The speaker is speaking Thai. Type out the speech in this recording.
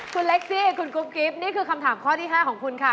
คุณเล็กซี่คุณกุ๊กกิ๊บนี่คือคำถามข้อที่๕ของคุณค่ะ